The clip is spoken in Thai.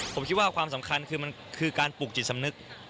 ผมคิดว่าความสำคัญคือมันคือการปลูกจิตสำนึก